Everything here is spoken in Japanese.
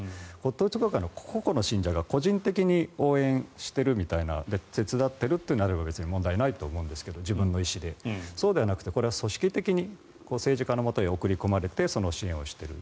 統一教会の個々の信者が個人的に応援してるみたいな手伝ってるってなれば別に問題ないと思うんですけどそうではなくて組織的に政治家のもとへ送り込まれて支援をしている。